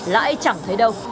lãi chẳng thấy đâu